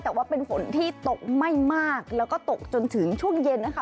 แต่ว่าเป็นฝนที่ตกไม่มากแล้วก็ตกจนถึงช่วงเย็นนะคะ